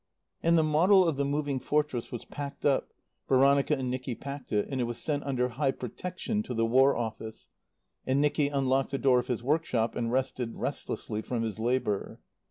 And the model of the Moving Fortress was packed up Veronica and Nicky packed it and it was sent under high protection to the War Office. And Nicky unlocked the door of his workshop and rested restlessly from his labour.